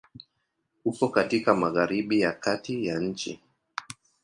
Uko katika Magharibi ya Kati ya nchi.